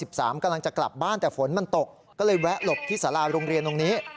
กำลังจะกลับบ้านแต่ฝนมันตกก็เลยแวะหลบที่สาราโรงเรียนตรงนี้